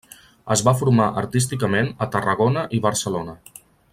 Es va formar artísticament a Tarragona i Barcelona.